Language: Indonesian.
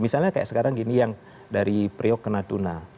misalnya kayak sekarang gini yang dari priok ke natuna